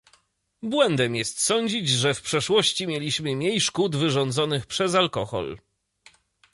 Błędem jest sądzić, że w przeszłości mieliśmy mniej szkód wyrządzonych przez alkohol